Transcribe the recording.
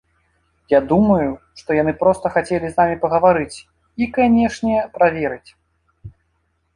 Я думаю, што яны проста хацелі з намі пагаварыць, і, канечне, праверыць.